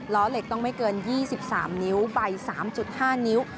ล้อเหล็กต้องไม่เกิน๒๓นิ้วใบ๓๕นิ้ว